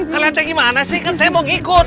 kalian teh gimana sih kan saya mau ngikut